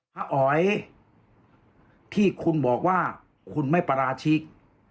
อ๋อยที่คุณบอกว่าคุณไม่ปราชิก